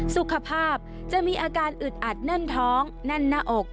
สุขภาพจะมีอาการอึดอัดแน่นท้องแน่นหน้าอก